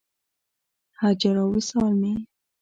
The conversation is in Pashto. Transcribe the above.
هجر او وصال مې یې